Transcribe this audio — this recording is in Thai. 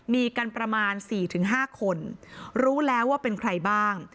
มีกันประมาณ๔๕คนรู้แล้วว่าเป็นใครบ้าง